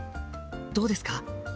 どうですか？